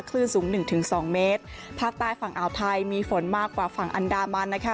คลื่นสูงหนึ่งถึงสองเมตรภาคใต้ฝั่งอ่าวไทยมีฝนมากกว่าฝั่งอันดามันนะคะ